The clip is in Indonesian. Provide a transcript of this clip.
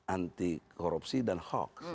anti korupsi dan hoax